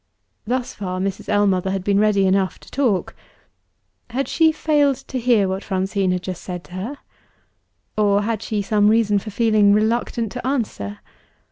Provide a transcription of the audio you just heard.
Thus far, Mrs. Ellmother had been ready enough to talk. Had she failed to hear what Francine had just said to her? or had she some reason for feeling reluctant to answer?